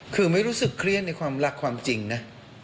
คือไม่รู้สึกเครียดในความรักความจริงนะ